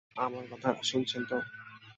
আমার কথা শুনছেন তো?